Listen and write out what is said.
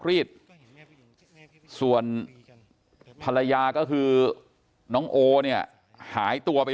กลุ่มตัวเชียงใหม่